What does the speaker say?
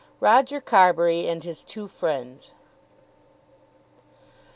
ROGER CARBURY AND HIS TWO FRIENDS.